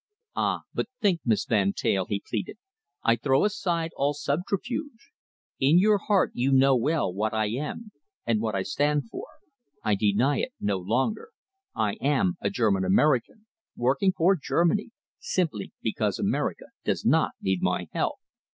"Ah, but think, Miss Van Teyl," he pleaded. "I throw aside all subterfuge. In your heart you know well what I am and what I stand for. I deny it no longer. I am a German American, working for Germany, simply because America does not need my help.